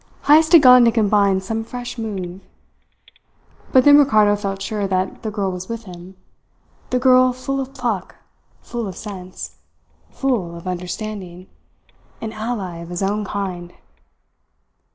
Heyst had gone to combine some fresh move. But then Ricardo felt sure that the girl was with him the girl full of pluck, full of sense, full of understanding; an ally of his own kind!